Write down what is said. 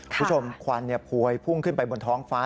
ควันพวยพุ่งขึ้นไปบนท้องฟ้า